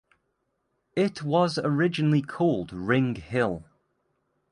It was originally called Ring Hill.